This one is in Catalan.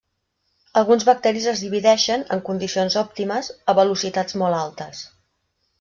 Alguns bacteris es divideixen, en condicions òptimes, a velocitats molt altes.